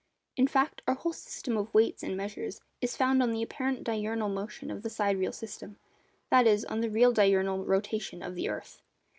In fact, our whole system of weights and measures is founded on the apparent diurnal motion of the sidereal system, that is, on the real diurnal rotation of the earth.